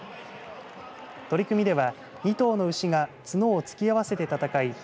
取り組みでは２頭の牛が角を突き合わせて戦い